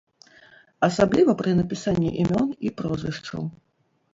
Асабліва пры напісанні імён і прозвішчаў.